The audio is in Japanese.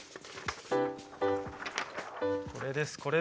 これですこれです。